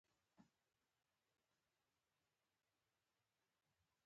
پتنوس يې پر مېز کېښود.